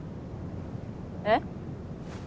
えっ？